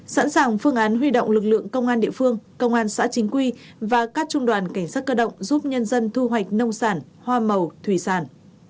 sẵn sàng phương án huy động lực lượng công an địa phương công an xã chính quy và các trung đoàn cảnh sát cơ động giúp nhân dân thu hoạch nông sản hoa màu thủy sản